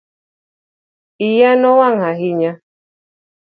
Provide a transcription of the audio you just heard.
Iya no wang' ahinya